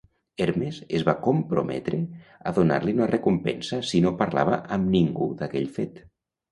Hermes es va comprometre a donar-li una recompensa si no parlava amb ningú d'aquell fet.